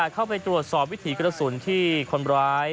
เข้าไปตรวจสอบวิถีกระสุนที่คนร้าย